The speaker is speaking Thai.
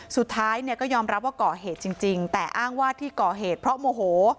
สุดท้ายเนี่ยก็ยอมรับว่าก่อเหตุจริงแต่อ้างว่าที่ก่อเหตุเพราะโมโห